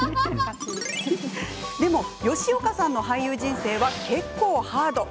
でも、吉岡さんの俳優人生は結構ハード。